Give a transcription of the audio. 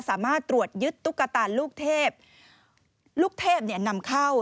สามารถตรวจยึดตุ๊กตาลูกเทพลูกเทพเนี่ยนำเข้า